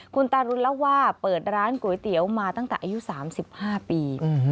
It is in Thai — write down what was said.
คุณตารุณเล่าว่าเปิดร้านก๋วยเตี๋ยวมาตั้งแต่อายุ๓๕ปี